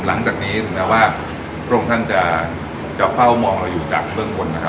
หลังจากนี้ถึงแม้ว่าพระองค์ท่านจะเฝ้ามองเราอยู่จากเบื้องบนนะครับ